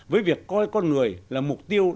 với việc coi con người là mục tiêu